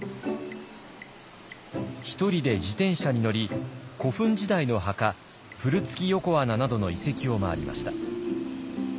１人で自転車に乗り古墳時代の墓古月横穴などの遺跡を回りました。